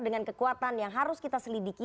dengan kekuatan yang harus kita selidiki